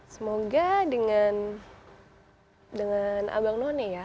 semoga dengan abang none ya